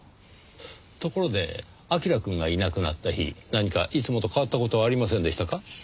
ところで彬くんがいなくなった日何かいつもと変わった事はありませんでしたか？